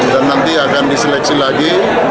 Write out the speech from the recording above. dan nanti akan diseleksi lagi